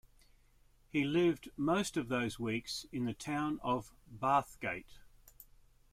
He lived most of those weeks in the town of Bathgate.